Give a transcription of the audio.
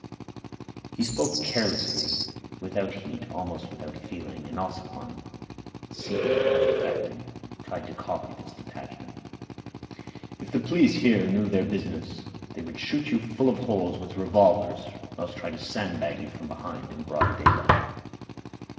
He spoke carelessly, without heat, almost without feeling, and Ossipon, secretly much affected, tried to copy this detachment. "If the police here knew their business they would shoot you full of holes with revolvers, or else try to sand bag you from behind in broad daylight."